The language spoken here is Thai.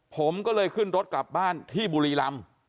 ผมก็เลยขึ้นรถกลับบ้านที่บุรีรำ